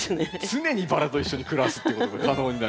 常にバラと一緒に暮らすっていうことが可能になります。